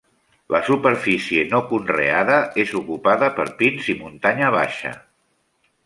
La superfície no conreada és ocupada per pins i muntanya baixa.